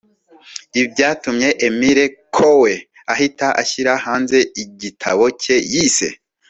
Ibi byatumye Emile Coue ahita ashyira hanze igitabo cye yise